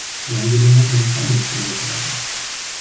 Seien Sie der Motor des Wandels, den wir brauchen.